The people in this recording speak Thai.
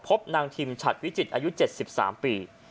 พบนางทิมฉัดวิจิตรอายุ๗๓ปี